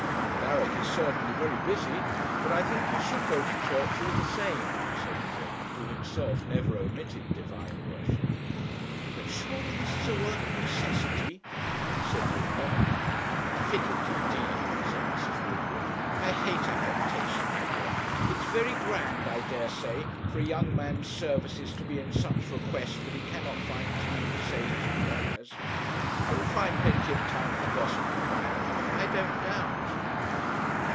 'Alaric is certainly very busy, but I think he should go to church all the same,' said Harry, who himself never omitted divine worship. 'But surely this is a work of necessity?' said Linda. 'Fiddle de de,' said Mrs. Woodward; 'I hate affectation, my dear. It's very grand, I dare say, for a young man's services to be in such request that he cannot find time to say his prayers. He'll find plenty of time for gossiping by and by, I don't doubt.'